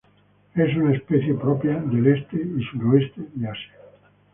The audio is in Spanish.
Es una especie propia del este y sureste de Asia.